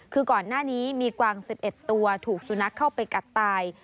คือก่อนหน้านี้มีกวาง๑๑ตัวถูกสุนัขเข้าไปกัดตาย